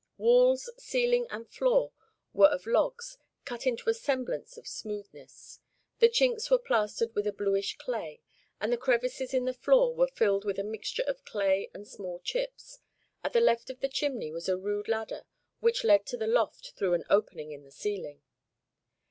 Walls, ceiling, and floor were of logs, cut into a semblance of smoothness. The chinks were plastered with a bluish clay, and the crevices in the floor were filled with a mixture of clay and small chips. At the left of the chimney was a rude ladder which led to the loft through an opening in the ceiling.